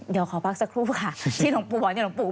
เดี๋ยวขอพักสักครู่ค่ะที่หลวงปู่บอก